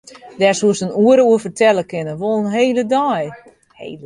Dêr soest in oere oer fertelle kinne, wol in hele dei.